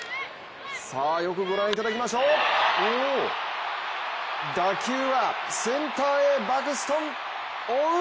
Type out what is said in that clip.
よく御覧いただきましょう、打球はセンターへバクストン、追う！